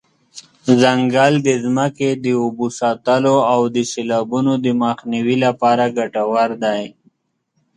ځنګل د ځمکې د اوبو ساتلو او د سیلابونو د مخنیوي لپاره ګټور دی.